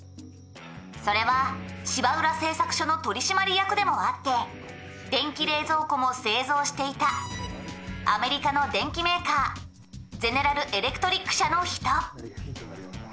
「それは芝浦製作所の取締役でもあって電気冷蔵庫も製造していたアメリカの電機メーカーゼネラル・エレクトリック社の人」